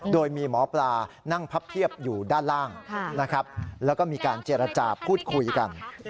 โดยมีหมอปลานั่งพับเทียบอยู่ด้านล่างนะครับแล้วก็มีการเจรจาพูดคุยกัน